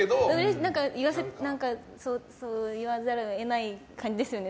言わざるを得ない感じですよね